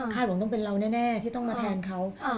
หลวงต้องเป็นเราแน่ที่ต้องมาแทนเขา